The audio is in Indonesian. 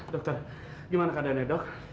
dokter gimana keadaannya dok